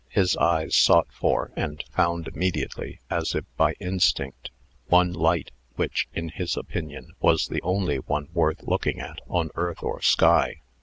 His eyes sought for, and found immediately, as if by instinct, one light, which, in his opinion, was the only one worth looking at on earth or sky.